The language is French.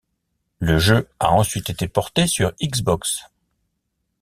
Le jeu a ensuite été porté sur Xbox.